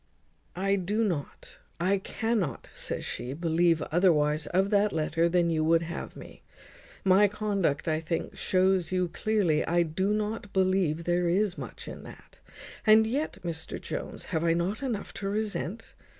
"I do not, I cannot," says she, "believe otherwise of that letter than you would have me. My conduct, I think, shews you clearly I do not believe there is much in that. And yet, Mr Jones, have I not enough to resent?